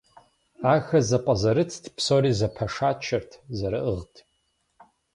Ахэр зэпӏэзэрытт, псори зэпашачэрт, зэрыӏыгът.